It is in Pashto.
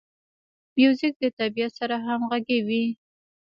موزیک د طبیعت سره همغږی وي.